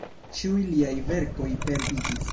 Ĉiuj liaj verkoj perdiĝis.